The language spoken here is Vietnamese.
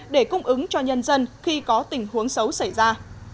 để cung ứng cho nhân dân khi có tình huống xấu xảy ra